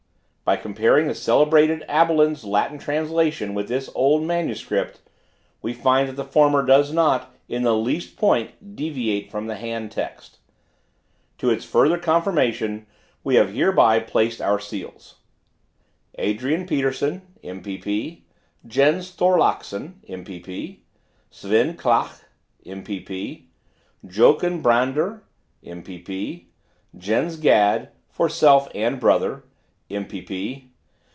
By comparing the celebrated Abelin's Latin translation with this old manuscript, we find that the former does not, in the least point, deviate from the hand text. To its further confirmation we have hereby placed our seals. ADRIAN PETERSON, MPP. JENS THORLAKSEN, MPP. SVEND KLAK, MPP. JOKUM BRANDER, MPP. JENS GAD, (for self and brother,) MPP.